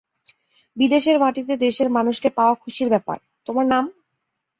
বিদেশের মাটিতে দেশের মানুষকে পাওয়া খুশির ব্যাপার - তোমার নাম?